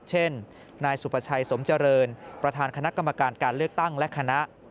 เช่นนายสุภาชัยสมเจริญประธานคณะกรรมการการเลือกตั้งและคณะ